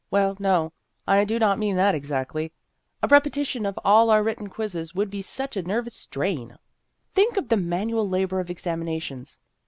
Well, no, I do not mean that exactly. A repetition of all our written quizzes would be such a nervous strain. Think of the manual labor of examinations